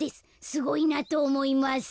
すごいなとおもいます」。